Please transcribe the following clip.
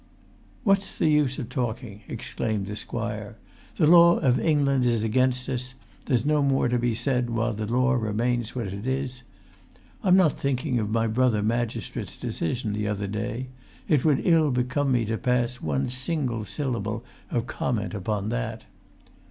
"What's the use of talking?" exclaimed the squire. "The law of England is against us; there's no more to be said while the law remains what it is. I'm not thinking of my brother magistrates' decision the other day; it would ill become me to pass one single syllable of comment upon that.